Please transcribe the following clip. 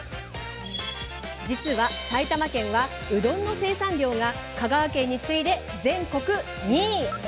実は埼玉県は、うどんの生産量が香川県に次いで全国２位。